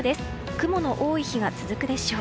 雲の多い日が続くでしょう。